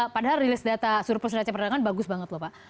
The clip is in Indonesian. padahal rilis data surplus neraca perdagangan bagus banget loh pak